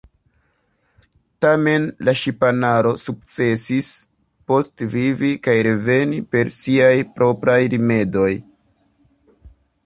Tamen la ŝipanaro sukcesis postvivi kaj reveni per siaj propraj rimedoj.